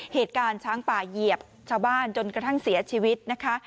เหตุการณ์ช้างป่าเหยียบชาวบ้านจนกระทั่งเสียชีวิตนะคะ